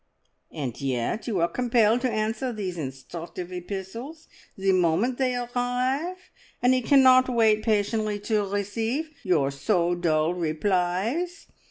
"And yet you are compelled to answer these `instructive epistles' the moment they arrive, and he cannot wait patiently to receive your so dull replies.